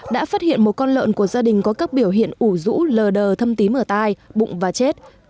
đã phát hiện một con lợn của gia đình có các biểu hiện ủ rũ lờ đờ thâm tím ở tai bụng và chết